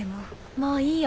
もういいよ。